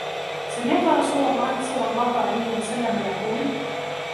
سَمِعْتُ رَسُولَ اللهِ صَلَّى اللهُ عَلَيْهِ وَسَلَّمَ يقولُ: